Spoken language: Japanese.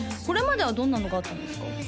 これまではどんなのがあったんですか？